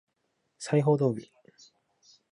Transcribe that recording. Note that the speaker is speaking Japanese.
裁縫道具